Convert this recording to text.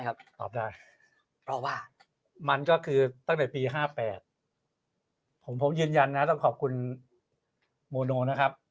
ตอบได้เพราะว่ามันก็คือตั้งแต่ปี๕๘ผมยืนยันนะต้องขอบคุณโมโนนะครับ